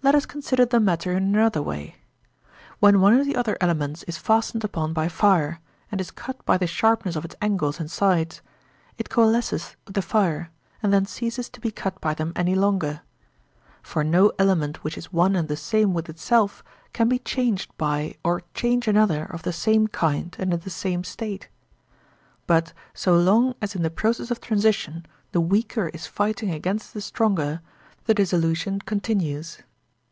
Let us consider the matter in another way. When one of the other elements is fastened upon by fire, and is cut by the sharpness of its angles and sides, it coalesces with the fire, and then ceases to be cut by them any longer. For no element which is one and the same with itself can be changed by or change another of the same kind and in the same state. But so long as in the process of transition the weaker is fighting against the stronger, the dissolution continues.